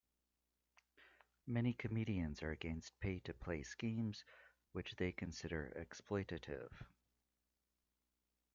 Many comedians are against pay-to-play schemes, which they consider exploitative.